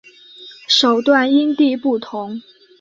手段因地不同。